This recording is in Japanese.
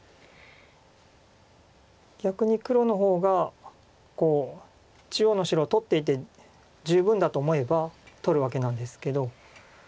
逆に黒の方が中央の白取っていて十分だと思えば取るわけなんですけど。